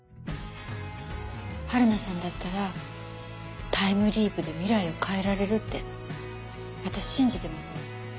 はるなさんだったらタイムリープで未来を変えられるって私信じてます。